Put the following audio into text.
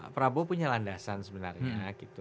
prabowo punya landasan sebenarnya